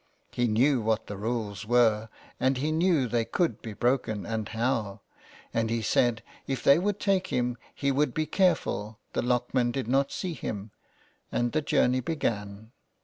He knew what the rules were, and he knew they could be broken, and how, and he said if they would take him he would be careful the lockmen did not see him, and the journey began.